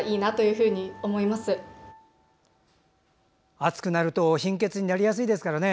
暑くなると貧血になりやすいですからね。